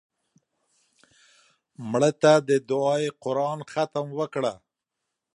مړه ته د دعایي قرآن ختم وکړه